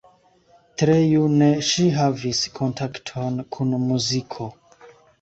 Tre june ŝi havis kontakton kun muziko.